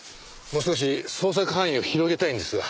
もう少し捜索範囲を広げたいんですが。